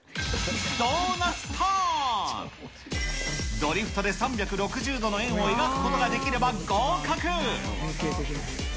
ドリフトで３６０度の円を描くことができれば合格。